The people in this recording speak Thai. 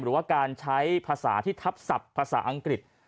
หรือว่าการใช้ภาษาที่ทับศัพท์ภาษาอังกฤษ